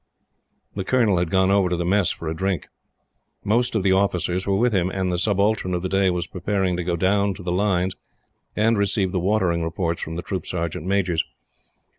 The Colonel had gone over to the Mess for a drink. Most of the officers were with him, and the Subaltern of the Day was preparing to go down to the lines, and receive the watering reports from the Troop Sergeant Majors.